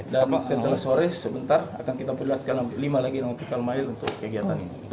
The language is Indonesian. dan setelah sore sebentar akan kita perlihatkan lima lagi nautikal mile untuk kegiatan ini